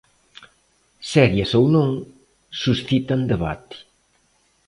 Serias ou non, suscitan debate.